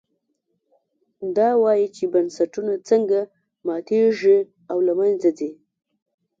دا وایي چې بنسټونه څنګه ماتېږي او له منځه ځي.